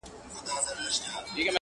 د سباوون ترانې وپاڅوم!